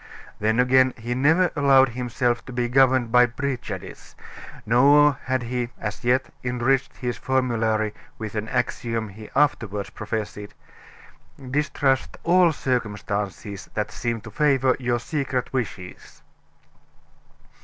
Then again, he never allowed himself to be governed by prejudice, nor had he as yet enriched his formulary with an axiom he afterward professed: "Distrust all circumstances that seem to favor your secret wishes."